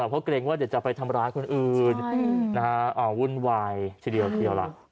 เพราะเกรงว่าเดี๋ยวจะไปทำร้ายคนอื่นวุ่นวายทีเดียวทีเดียวล่ะ